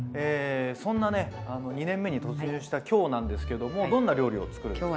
そんなね２年目に突入した今日なんですけどもどんな料理を作るんですか？